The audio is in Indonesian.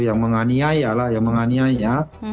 yang menganiaya lah yang menganiaya